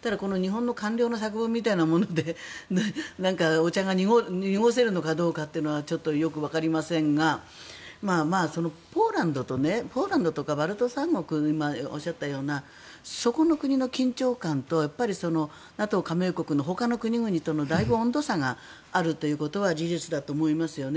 ただ、日本の官僚の作文みたいなものでお茶が濁せるのかどうかというのは、よくわかりませんがポーランドとかバルト三国今おっしゃったようなそこの国の緊張感とＮＡＴＯ加盟国のほかの国々とのだいぶ温度差があるということは事実だと思いますよね。